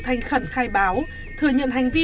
thanh khẩn khai báo thừa nhận hành vi